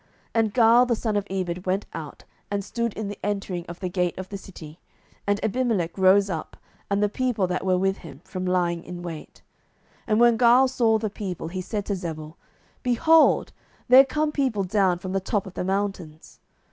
07:009:035 And Gaal the son of Ebed went out, and stood in the entering of the gate of the city: and Abimelech rose up, and the people that were with him, from lying in wait. 07:009:036 And when Gaal saw the people, he said to Zebul, Behold, there come people down from the top of the mountains.